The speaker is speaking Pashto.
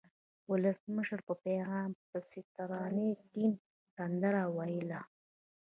ولسمشر په پیغام پسې د ترانې ټیم سندره وویله.